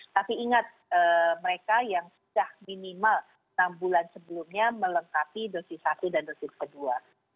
tapi ingat mereka yang sudah minimal enam bulan sebelumnya melengkapi dosis satu dan dosis kedua